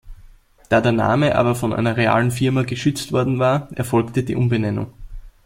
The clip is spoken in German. Da der Name aber von einer realen Firma geschützt worden war, erfolgte die Umbenennung.